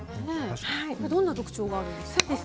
どんな特徴があるんですか？